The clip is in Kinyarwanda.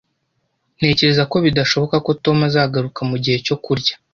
Ntekereza ko bidashoboka ko Tom azagaruka mugihe cyo kurya